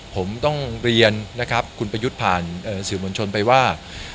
ผมต้องเรียนนะครับคุณประยุทธ์ผ่านสื่อมวลชนไปว่า